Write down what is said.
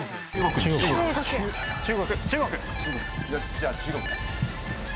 じゃあ中国。